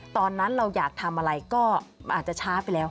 ตอนนั้นเราอยากทำอะไรก็มันอาจจะช้าไปแล้ว